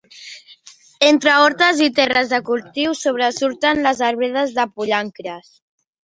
Entre hortes i terres de cultiu, sobresurten les arbredes de pollancres.